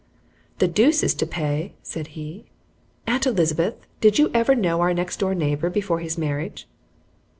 "The deuce is to pay," said he. "Aunt Elizabeth, did you ever know our next door neighbor before his marriage?"